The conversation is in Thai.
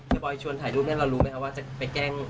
เฮียบอร์ชวนถ่ายรูปแล้วรู้ไหมว่าจะไปแกล้ง